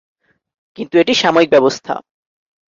কিন্তু এটি সাময়িক ব্যবস্থা।